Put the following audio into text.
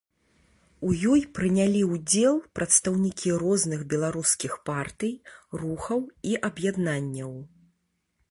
У ёй прынялі ўдзел прадстаўнікі розных беларускіх партый, рухаў і аб'яднанняў.